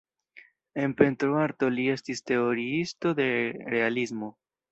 En pentroarto li estis teoriisto de realismo.